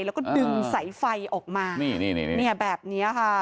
แล้วก็ดึงสายไฟออกมาแบบนี้ค่ะ